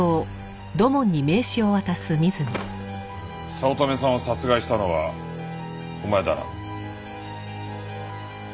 早乙女さんを殺害したのはお前だな？